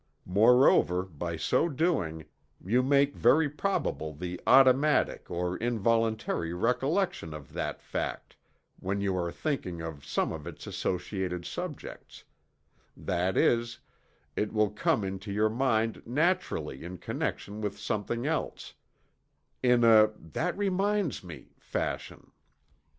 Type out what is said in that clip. Moreover, by so doing, you make very probable the "automatic" or involuntary recollection of that fact when you are thinking of some of its associated subjects; that is, it will come into your mind naturally in connection with something else in a "that reminds me" fashion.